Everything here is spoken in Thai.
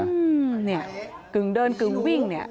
อืมเนี่ยกึ่งเดินกึ่งวิ่งเนี่ย